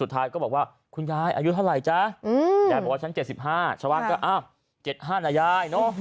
ยายบอกว่าฉัน๗๕ชาวน่าก็๗๕นะยาย